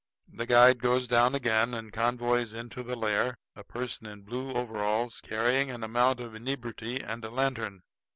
The guide goes down again, and convoys into the lair a person in blue overalls carrying an amount of inebriety and a lantern.